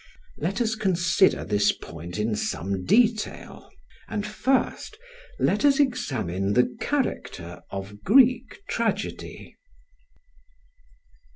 Let us consider this point in some detail; and first let us examine the character of Greek tragedy.